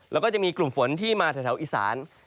แล้วก็จะมีกลุ่มฝนที่มาแถวอีสาน